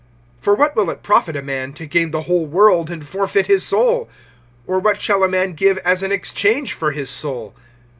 (36)For what will it profit a man, to gain the whole world, and forfeit his soul? (37)Or what shall a man give as an exchange for his soul?